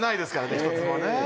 １つもね